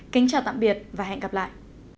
kính chào tạm biệt và hẹn gặp lại